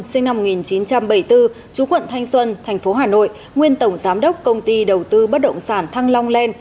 sinh năm một nghìn chín trăm bảy mươi bốn chú quận thanh xuân tp hà nội nguyên tổng giám đốc công ty đầu tư bất động sản thăng long len